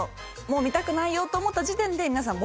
もう見たくないよと思った時点で皆さん